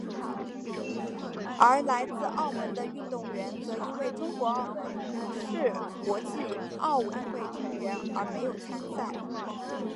而来自澳门的运动员则因为中国澳门不是国际奥委会成员而没有参赛。